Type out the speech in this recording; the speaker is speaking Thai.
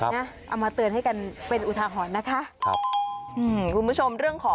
เอามาเตือนให้กันเป็นอุทาหรณ์นะคะครับอืมคุณผู้ชมเรื่องของ